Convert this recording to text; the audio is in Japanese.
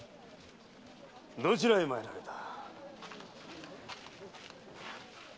どちらへ参られた？